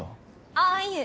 あっいえ